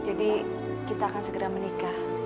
jadi kita akan segera menikah